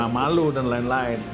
malu dan lain lain